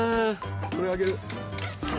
これあげる。